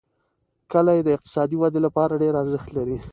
کلي د اقتصادي ودې لپاره ډېر ارزښت لري.